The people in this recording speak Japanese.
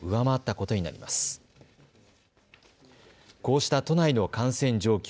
こうした都内の感染状況。